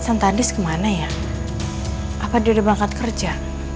santanis kemana ya apa dia bangkat kerja